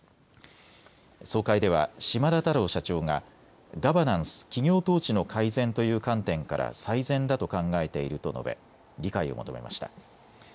総会では島田太郎社長がガバナンス・企業統治の改善という観点から最善だと考えていると述べ、理解を求めました。